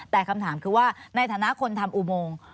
แต่คำถามคือว่าในฐานะคนทำอุโมง